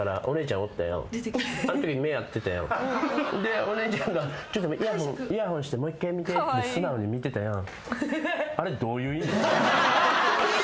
んでお姉ちゃんが「イヤホンしてもう１回見て」って素直に見てたやん。